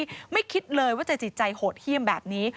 ไม่คิดเลยว่าจะจิตใจโหดเยี่ยมแบบนี้